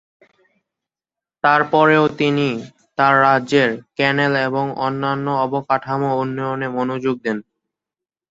তার পরেও তিনি তার রাজ্যের ক্যানেল এবং অন্যান্য অবকাঠামো উন্নয়নে মনোযোগ দেন।